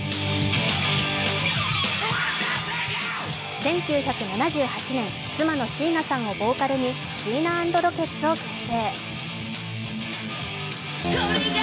１９７８年、妻のシーナさんをボーカルにシーナ＆ロケッツを結成。